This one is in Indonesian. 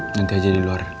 nanti aja di luar